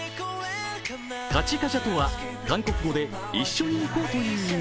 「カチカジャ」とは韓国語で一緒に行こうという意味。